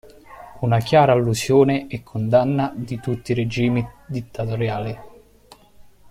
Una chiara allusione e condanna di tutti i regimi dittatoriali.